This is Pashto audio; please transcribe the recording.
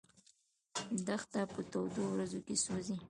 دښته په تودو ورځو کې سوځي.